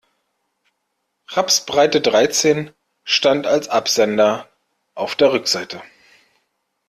Rapsbreite dreizehn stand als Absender auf der Rückseite.